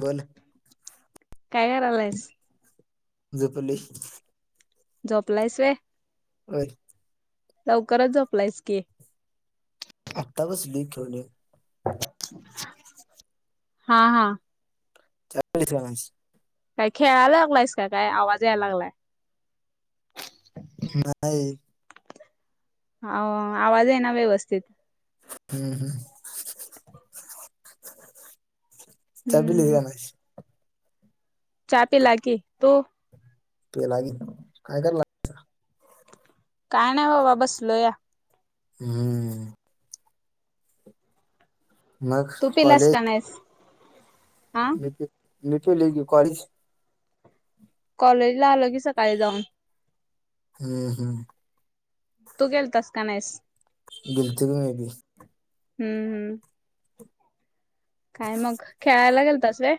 बल. काय करलायस. झोपली. झोपलायसय व्हय. काय? लवकरच झोपलायस की. आत्ता बसली खेवलेने. हा हा. चहा पिलीस का अंश. काय खेळायला लागलायस काय आवाज यायला लागलाय. नाहेय. हा हो आवाज आहे ना व्यवस्थित. हम्म हम् चहा पिलीस हम्म का नाहीस. चहा पिला की तू. पेला की काय करायला. काय नाही बाबा बसलो या. हम्म. मग तू पिलास कॉलेज का नाहीस. हा मी मी पिलोय की कॉलीस. कॉलेज ला आलो की सकाळी जाऊन. हम्म हम्म. तू गेलतास का नाहीस. गेलतो की मी भी. हम्म हम्म. काय मग खेळायला गेलतास काय?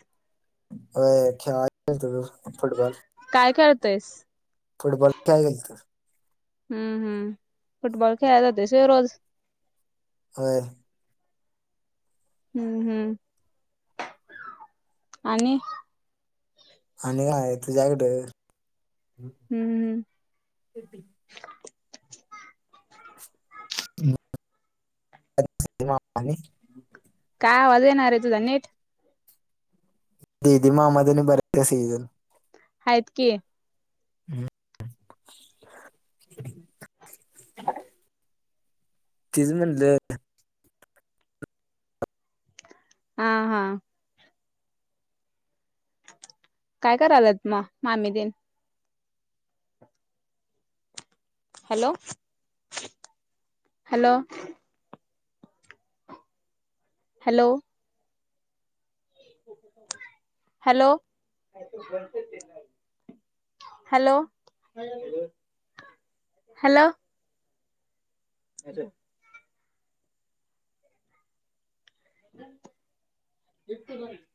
होय खेळा गेलतो फुटबॉल. काय खेळतोयस. फुटबॉल खेळा गेलतो. हम्म हम् फुटबॉल खेळाय जातो स रोज. होय. हम हम आणि आणि काय आणि तुझ्याकडे. हम्म हम्. कपी. [unintelligible] काय आवाज येईना तुझा नीट. दिदी मामादनी बरख सीजन. हायत की हम्म [unintelligible] तिच म्हणलं आता हा.. हा.. काय करायलेत, मग मामी ते? Hello!.. hello! Hello! Hello! Hello!.. hello! अर.. य [inaudible]